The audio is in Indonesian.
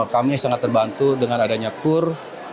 kami sangat terbantu dengan adanya kur